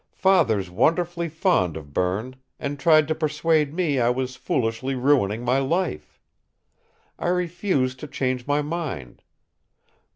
Father's wonderfully fond of Berne and tried to persuade me I was foolishly ruining my life. I refused to change my mind.